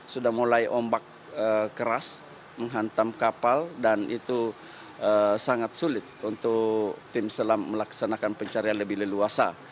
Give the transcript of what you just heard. sudah mulai ombak keras menghantam kapal dan itu sangat sulit untuk tim selam melaksanakan pencarian lebih leluasa